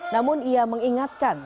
namun ia mengingatkan